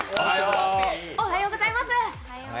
おはようございます！